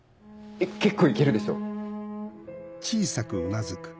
結構イケるでしょ？